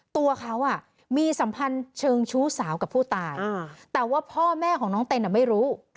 ตัวเขามีสัมพันธ์เชิงชู้สาวกับผู้ตายแต่ว่าพ่อแม่ของน้องเต้นไม่รู้